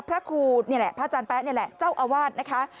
พระครูนี่แหละพระอาจารย์แป๊ะนี่แหละเจ้าอาวาสนะคะ